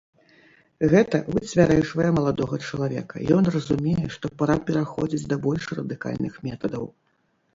Гэта выцвярэжвае маладога чалавека, ён разумее, што пара пераходзіць да больш радыкальных метадаў.